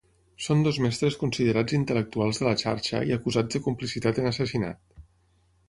Són dos mestres considerats intel·lectuals de la xarxa i acusats de complicitat en assassinat.